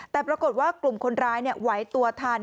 แต่ปรากฏว่ากลุ่มคนร้ายไหวตัวทัน